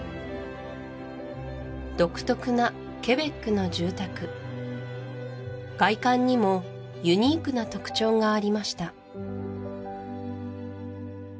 独特なケベックの住宅外観にもユニークな特徴がありました